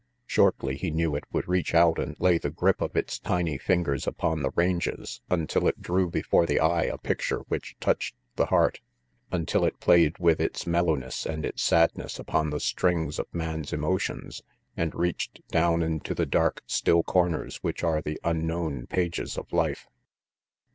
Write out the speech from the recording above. Shortly, he knew, it would reach out and lay the grip of its tiny fingers upon the ranges until it drew before the eye a picture which touched the heart; until it played with its mellowness and its sadness upon the strings of man's emotions and reached down into the dark, still corners which are the unknown pages of life.